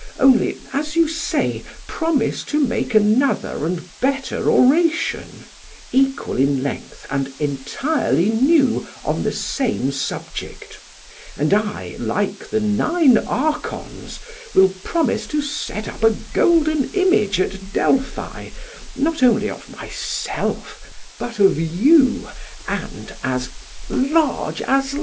Only, as you say, promise to make another and better oration, equal in length and entirely new, on the same subject; and I, like the nine Archons, will promise to set up a golden image at Delphi, not only of myself, but of you, and as large as life.